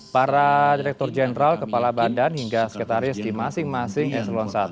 para direktur jenderal kepala badan hingga sekretaris di masing masing eselon i